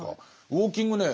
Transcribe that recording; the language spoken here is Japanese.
ウォーキングね